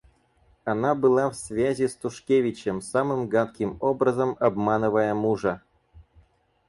Она была в связи с Тушкевичем, самым гадким образом обманывая мужа.